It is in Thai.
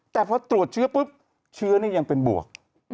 แต่พอตรวจเชื้อปุ๊บเชื้อนี่ยังเป็นบวก